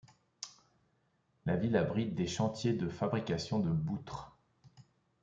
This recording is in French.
La ville abrite des chantiers de fabrication de boutre.